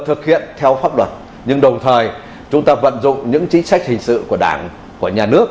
thực hiện theo pháp luật nhưng đồng thời chúng ta vận dụng những chính sách hình sự của đảng của nhà nước